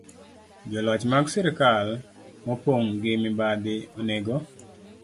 Joloch mag sirkal mopong ' gi mibadhi onego